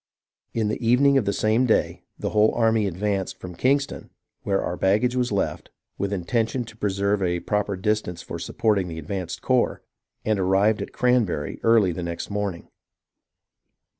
In the evening of the same day the whole army advanced from Kings ton, where our baggage was left, with intention to preserve a proper distance for supporting the advanced corps, and arrived at Cranberry early the next morning.